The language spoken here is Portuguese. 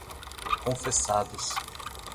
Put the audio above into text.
confessados